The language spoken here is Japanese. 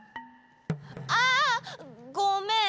あ！ごめん！